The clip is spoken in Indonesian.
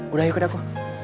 udah yuk ke daku